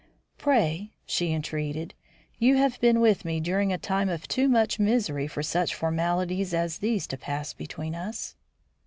"Pray, " she entreated. "You have been with me during a time of too much misery for such formalities as these to pass between us."